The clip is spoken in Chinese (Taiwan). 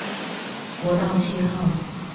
國道七號